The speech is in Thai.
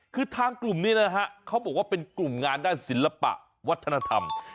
คือทางกลุ่มนี้นะฮะเขาบอกว่าเป็นกลุ่มงานด้านศิลปะวัฒนธรรม